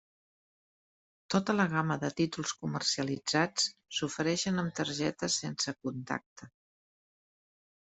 Tota la gamma de títols comercialitzats s'ofereixen amb targetes sense contacte.